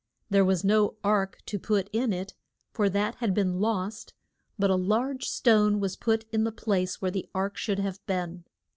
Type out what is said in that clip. There was no ark to put in it, for that had been lost, but a large stone was put in the place where the ark should have been.